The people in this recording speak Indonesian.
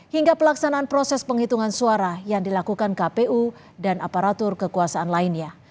hingga pelaksanaan proses penghitungan suara yang dilakukan kpu dan aparatur kekuasaan lainnya